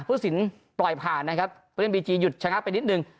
ผู้สินปล่อยผ่านนะครับผู้เล่นบีจีหยุดชะงักไปนิดนึง